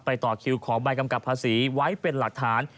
ต่อคิวขอใบกำกับภาษีไว้เป็นหลักฐาน